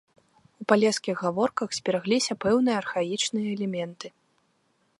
У палескіх гаворках зберагліся пэўныя архаічныя элементы.